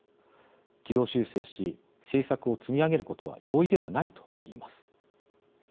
軌道修正し政策を積み上げることは容易ではない」といいます。